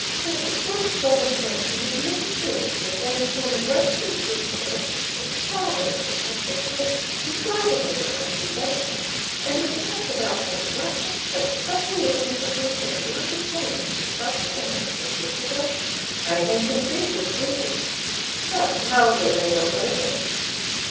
But some solemn sanction was necessary for transforming Rashleigh's destination from starving as a Catholic priest to thriving as a wealthy banker; and it was not without some reluctance that the acquiescence of the assembly was obtained to such an act of degradation." "I can conceive the scruples but how were they got over?"